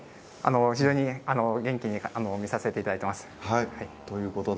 非常に元気に診させていただいております。